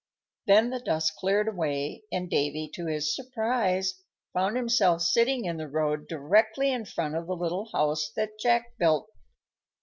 Then the dust cleared away, and Davy, to his surprise, found himself sitting in the road directly in front of the little house that Jack built.